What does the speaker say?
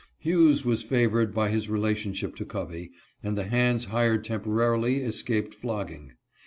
Hughes was favored by his relationship to Covey, and the hands hired temporarily escaped flogging.